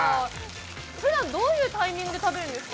ふだんどういうタイミングで食べるんですか？